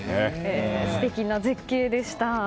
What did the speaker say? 素敵な絶景でした。